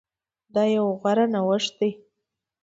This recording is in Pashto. دا يو غوره نوښت ده